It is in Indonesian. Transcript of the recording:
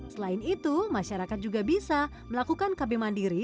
selain itu masyarakat juga bisa melakukan kb mandiri